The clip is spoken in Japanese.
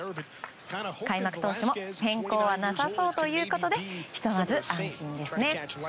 開幕投手も変更はなさそうということでひとまず安心ですね。